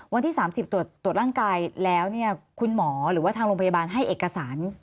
วันที่๓๐ตรวจร่างกายแล้วเนี่ยคุณหมอหรือว่าทางโรงพยาบาลให้เอกสาร